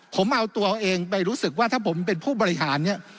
ผมเอาตัวเองไปรู้สึกว่าถ้าผมเป็นผู้บริหารเนี่ย